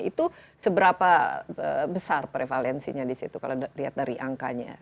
itu seberapa besar prevalensinya disitu kalau dilihat dari angkanya